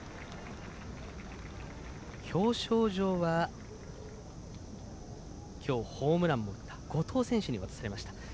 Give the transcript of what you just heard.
表彰状が今日、ホームランを打った後藤選手に渡されました。